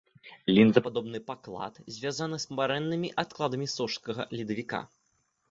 Лінзападобны паклад звязаны з марэннымі адкладамі сожскага ледавіка.